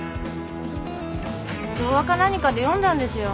童話か何かで読んだんですよ。